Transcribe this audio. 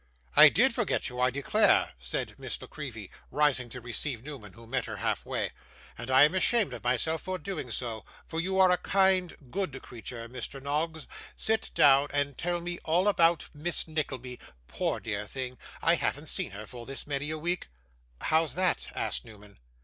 'I did forget you, I declare,' said Miss La Creevy, rising to receive Newman, who met her half way, 'and I am ashamed of myself for doing so; for you are a kind, good creature, Mr. Noggs. Sit down and tell me all about Miss Nickleby. Poor dear thing! I haven't seen her for this many a week.' 'How's that?' asked Newman.